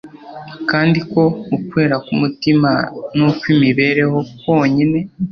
kandi ko ukwera k'umutima n'ukw'imibereho kwonyine